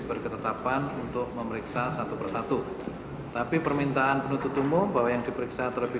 berketetapan untuk memeriksa satu persatu tapi permintaan penutup umum bahwa yang diperiksa terlebih